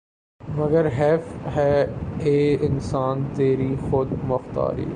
مگر حیف ہے اے انسان تیری خود مختاری